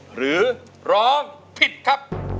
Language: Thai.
หรือร้องผิดครับ